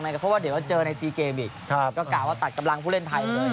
เพราะว่าเดี๋ยวเจอในซีเกมอีกก็กล่าวว่าตัดกำลังผู้เล่นไทยเลย